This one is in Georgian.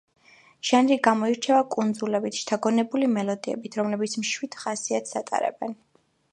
ჟანრი გამოირჩევა კუნძულებით შთაგონებული მელოდიებით, რომლებიც მშვიდ ხასიათს ატარებენ.